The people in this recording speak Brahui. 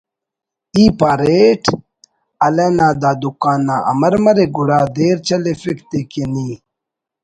ای پاریٹ ہلہ نا دا دکان نا امر مریک گڑا دیر چلیفک تے کہ نی